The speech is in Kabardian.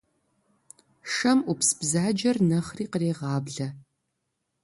Шэм Ӏупс бзаджэр нэхъри кърегъаблэ.